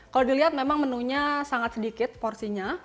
kalau dilihat memang menunya sangat sedikit porsinya